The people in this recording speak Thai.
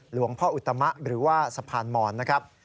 หลวงพ่ออุตมะหรือว่าสะพานหมอนนะครับ